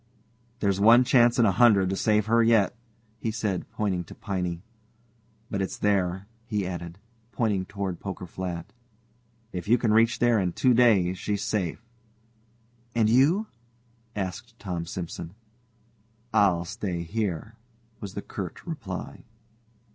"There's one chance in a hundred to save her yet," he said, pointing to Piney; "but it's there," he added, pointing toward Poker Flat. "If you can reach there in two days she's safe." "And you?" asked Tom Simson. "I'll stay here," was the curt reply.